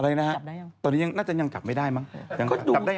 อะไรนะฮะตอนนี้ยังน่าจะยังกลับไม่ได้มั้ง